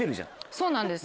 そうなんです。